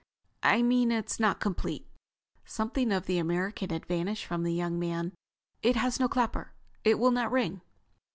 "I mean it is not complete." Something of the American had vanished from the young man. "It has no clapper. It will not ring."